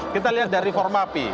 kita lihat dari formapi